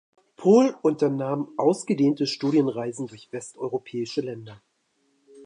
Pohl unternahm ausgedehnte Studienreisen durch westeuropäische Länder.